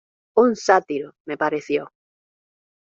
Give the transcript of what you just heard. Un sátiro, me pareció.